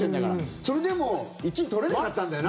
それでも１位取れなかったんだよな。